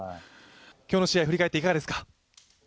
今日の試合、振り返っていかがですか。